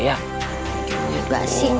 ya enggak sih nmi